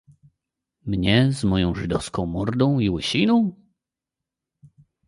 "Mnie, z moją żydowską mordą i łysiną!..."